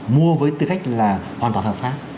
mua với tư cách là hoàn toàn hợp pháp